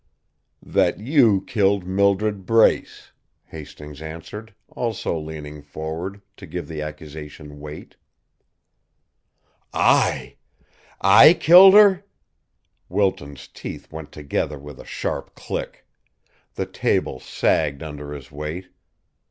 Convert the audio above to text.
"That you killed Mildred Brace," Hastings answered, also leaning forward, to give the accusation weight. "I! I killed her!" Wilton's teeth went together with a sharp click; the table sagged under his weight.